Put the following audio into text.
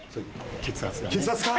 血圧か！